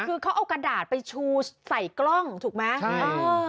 คือเขาเอากระดาษไปชูใส่กล้องถูกไหม